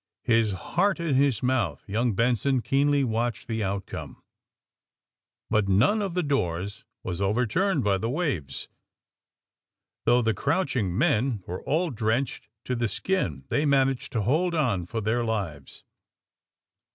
His heart in his mouth young Benson keenly watched the outcome. But none of the doors was overturned by the waves. Though the crouching men were all drenched to the skin, they managed to hold on for their lives.